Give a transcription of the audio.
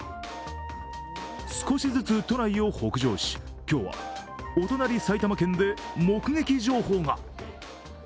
少しずつ都内を北上し、今日はお隣埼玉県で目撃情報が。